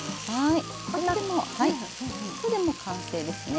これでもう完成ですね。